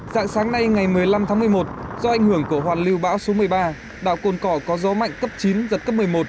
dạng sáng nay ngày một mươi năm tháng một mươi một do ảnh hưởng của hoàn lưu bão số một mươi ba đảo cồn cỏ có gió mạnh cấp chín giật cấp một mươi một